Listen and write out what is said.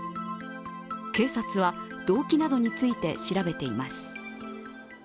警察は動機などについて調べています。